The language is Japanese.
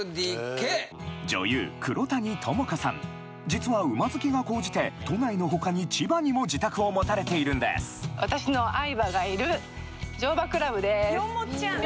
実は馬好きが高じて都内の他に千葉にも自宅を持たれているんですヨモちゃん！